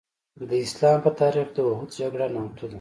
د اسلام په تاریخ کې د اوحد جګړه نامتو ده.